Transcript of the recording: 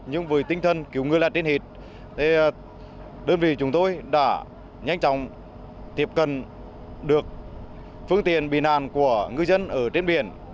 nhưng với tinh thần cứu nạn trên hịt đơn vị chúng tôi đã nhanh chóng tiếp cận được phương tiện bị nạn của người dân ở trên biển